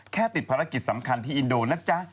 แค่ติดภารกิจสำคัญที่อินโดนทักจะ